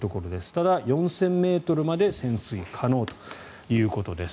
ただ、４０００ｍまで潜水可能ということです。